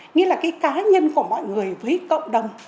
nghĩa là cái cá nhân của mọi người với cộng đồng